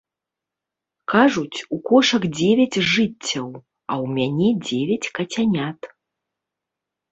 Кажуць, у кошак дзевяць жыццяў, а ў мяне дзевяць кацянят.